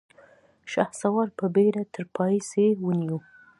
شهسوار په بېړه تر پايڅې ونيو.